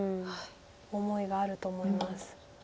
思いがあると思います。